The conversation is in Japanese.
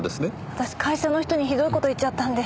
私会社の人にひどい事言っちゃったんで。